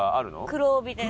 黒帯です。